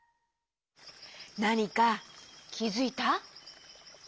なにかきづいた？